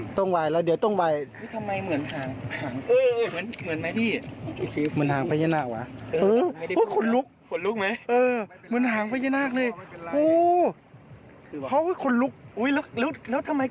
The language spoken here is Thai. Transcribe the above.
ทำไมขึบมาอีกแล้วอยู่ในใส่ไหม